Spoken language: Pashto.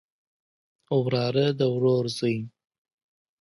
وراره د ورور زوی